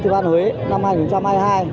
tư ban huế năm hai nghìn hai mươi hai